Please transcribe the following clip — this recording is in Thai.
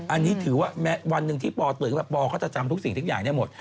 อันนี้ถือว่าวันหนึ่งที่ปอตื่นแบบปอเขาจะจำทุกสิ่งทุกอย่างได้หมด